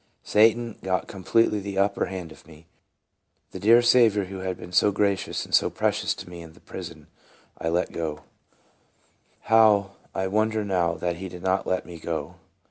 Satan got completely the upper hand of me. The dear Saviour who had been so gracious and so precious to me in the prison I let go. 33 TRANSFORMED. How I wonder now that he did not let me go.